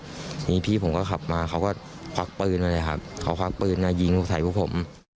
ทีนี้พี่ผมก็ขับมาเขาก็ควักปืนมาเลยครับเขาควักปืนมายิงใส่พวกผม